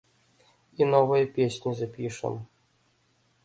І новыя песні запішам.